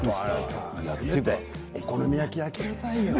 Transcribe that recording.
お好み焼き、焼きなさいよ。